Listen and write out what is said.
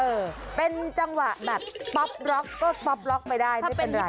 เออเป็นจังหวะแบบป๊อปล็อกก็ป๊อปล็อกไม่ได้ไม่เป็นไร